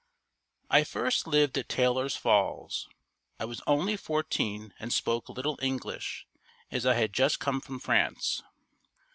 I first lived at Taylor's Falls. I was only fourteen and spoke little English as I had just come from France.